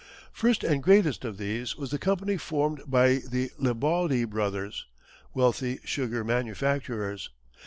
First and greatest of these was the company formed by the Lebaudy Brothers, wealthy sugar manufacturers.